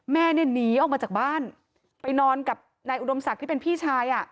แม่เนี่ยหนีออกมาจากบ้านไปนอนกับนายอุดมศักดิ์ที่เป็นพี่ชาย